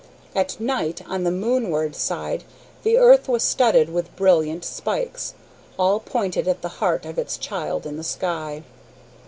At night, on the moonward side, the earth was studded with brilliant spikes, all pointed at the heart of its child in the sky.